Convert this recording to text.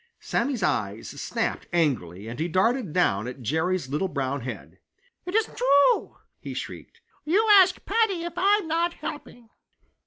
Sammy's eyes snapped angrily, and he darted down at Jerry's little brown head. "It isn't true!" he shrieked. "You ask Paddy if I'm not helping!"